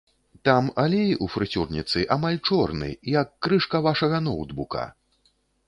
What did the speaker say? Там алей ў фрыцюрніцы амаль чорны, як крышка вашага ноўтбука.